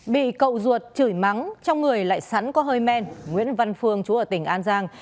bị cậu ruột chửi mắng trong người lại sắn có hơi men nguyễn văn phương chú ở tỉnh an giang